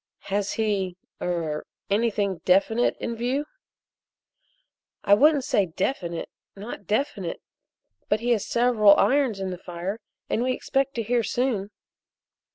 "Has he er anything definite in view?" "I wouldn't say definite, not definite, but he has several irons in the fire and we expect to hear soon."